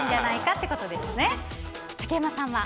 竹山さんは。